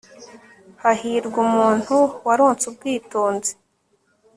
hahirwa umuntu waronse ubwitonzi